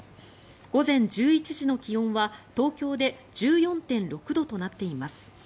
午前１１時の気温は、東京で１４．６度となっています。